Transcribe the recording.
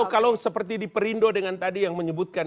kalau seperti di perindo dengan tadi yang menyebutkan